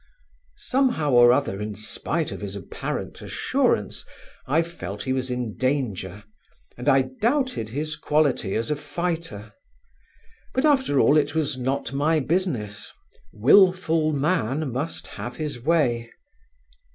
Somehow or other in spite of his apparent assurance I felt he was in danger and I doubted his quality as a fighter. But after all it was not my business: wilful man must have his way.